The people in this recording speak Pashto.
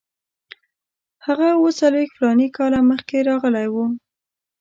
هغه اوه څلوېښت فلاني کاله مخکې راغلی وو.